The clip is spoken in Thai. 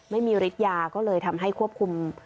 ไม่มีฤทธิ์ยาก็เลยทำให้ควบคุม